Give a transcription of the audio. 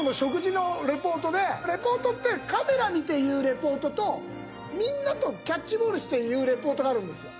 リポートってカメラ見て言うリポートとみんなとキャッチボールして言うリポートがあるんですよ。